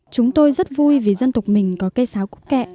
chúng tôi rất vui vì dân tộc mình có cây sáo cúc kẹ